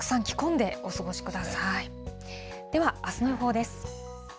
では、あすの予報です。